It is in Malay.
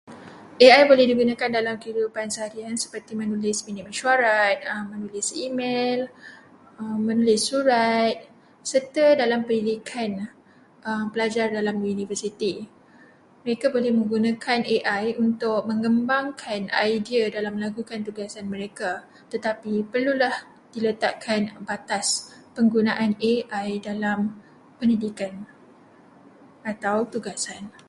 AI boleh digunakan dalam kehidupan seharian seperti menulis minit mesyuarat, menulis e-mel, menulis surat, serta dalam pendidikan. Pelajar dalam universiti, mereka boleh menggunakan AI untuk mengembangkan idea dalam melakukan tugasan mereka. Tetapi perlulah diletakkan batas penggunakan AI dalam pendidikan atau tugasan.